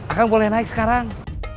akan boleh naik sekarang